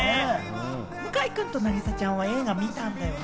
向井くんと凪咲ちゃんは映画見たんだよね？